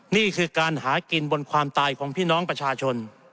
นี่คือการหากินบนความตายของพี่น้องประชาชน